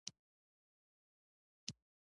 میشتېدل د خلکو قلمرو کوچني کړل.